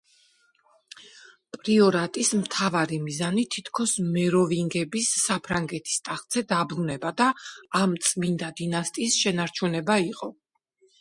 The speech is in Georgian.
პრიორატის მთავარი მიზანი თითქოს მეროვინგების საფრანგეთის ტახტზე დაბრუნება და ამ წმინდა დინასტიის შენარჩუნება იყო.